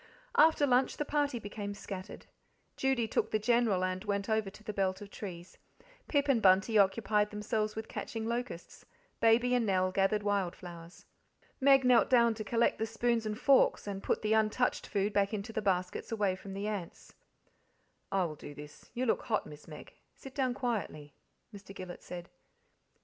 After lunch the party became scattered. Judy took the General and went over to the belt of trees; Pip and Bunty occupied themselves with catching locusts; Baby and Nell gathered wild flowers. Meg knelt down to collect the spoons and forks: and put the untouched food back into the baskets away from the ants. "I will do this you look hot, Miss Meg; sit down quietly," Mr. Gillet said.